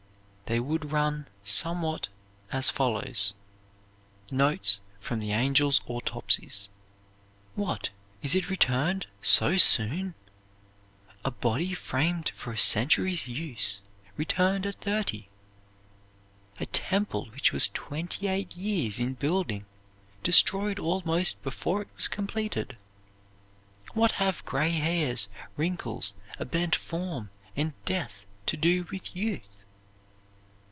They would run somewhat as follows: NOTES FROM THE ANGELS' AUTOPSIES. What, is it returned so soon? a body framed for a century's use returned at thirty? a temple which was twenty eight years in building destroyed almost before it was completed? What have gray hairs, wrinkles, a bent form, and death to do with youth?